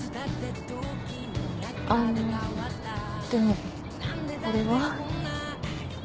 あのでもこれは？